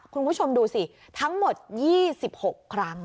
คุณผู้ชมดูสิทั้งหมด๒๖ครั้ง